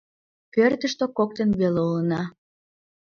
Пӧртыштӧ коктын веле улына.